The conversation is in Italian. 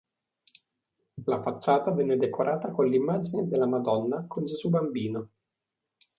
La facciata venne decorata con l'immagine della Madonna con Gesù Bambino.